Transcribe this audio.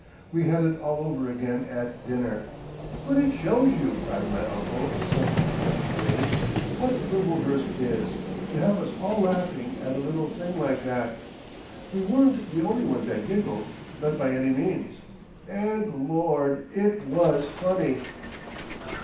We had it all over again at dinner. "But it shows you," cried my uncle, suddenly becoming grave, "what Wimblehurst is, to have us all laughing at a little thing like that! We weren't the only ones that giggled. Not by any means! And, Lord! it was funny!"